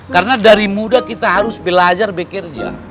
karena dari muda kita harus belajar bekerja